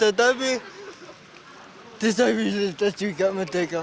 tetapi disabilitas juga merdeka